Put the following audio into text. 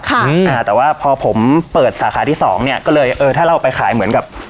อืมอ่าแต่ว่าพอผมเปิดสาขาที่สองเนี้ยก็เลยเออถ้าเราไปขายเหมือนกับ